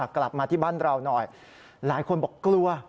กลับมาที่บ้านเราหน่อยหลายคนบอกกลัว